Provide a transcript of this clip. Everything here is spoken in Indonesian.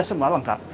ada semua lengkap